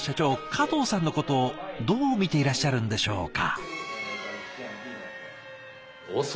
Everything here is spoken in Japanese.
加藤さんのことどう見ていらっしゃるんでしょうか？